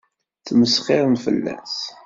Ttmesxiṛen fell-as.